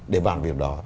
để bàn việc đó